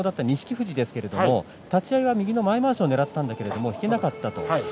富士ですけども立ち合い、右の前まわしをねらったんだけども引けなかった。